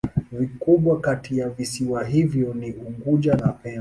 Vikubwa kati ya visiwa hivyo ni Unguja na Pemba.